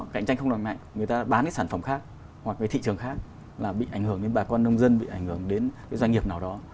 cạnh tranh không đoàn mạnh người ta bán cái sản phẩm khác hoặc cái thị trường khác là bị ảnh hưởng đến bà con nông dân bị ảnh hưởng đến cái doanh nghiệp nào đó